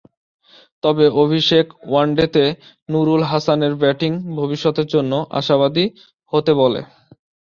তবে অভিষেক ওয়ানডেতে নুরুল হাসানের ব্যাটিং ভবিষ্যতের জন্য আশাবাদী হতে বলে।